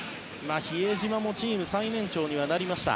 比江島もチーム最年長にはなりました。